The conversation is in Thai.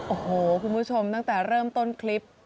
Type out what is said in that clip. โอ้โหคุณผู้ชมตั้งแต่เริ่มต้นคลิป